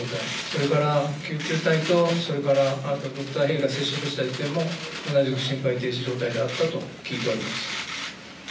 それから救急隊とドクターヘリが診察した時にも同じく心肺停止状態だったと聞いております。